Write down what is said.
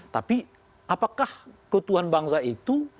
tapi apakah keutuhan bangsa itu